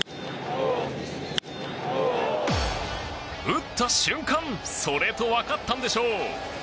打った瞬間それと分かったんでしょう。